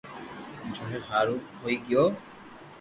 جوئين حآرون ھوئي گيو